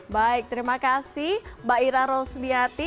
baik terima kasih mbak ira rosmiati